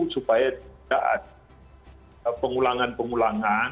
supaya tidak ada pengulangan pengulangan